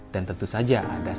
dan tentu saja ada stasiun ganteng